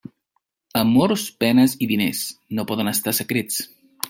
Amors, penes i diners, no poden estar secrets.